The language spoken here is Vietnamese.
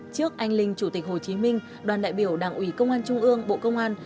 trước anh linh chủ tịch hồ chí minh đoàn đại biểu đảng ủy công an trung ương bộ công an